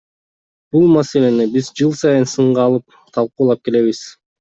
Бул маселени биз жыл сайын сынга алып, талкуулап келебиз.